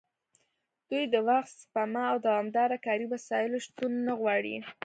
دوی د وخت سپما او دوامداره کاري وسایلو شتون نه غواړي